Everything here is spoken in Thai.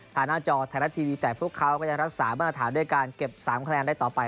ทางหน้าจอทางหน้าทีวีแต่พวกเขาก็ยังรักษาบรรถาด้วยการเก็บ๓คะแนนได้ต่อไป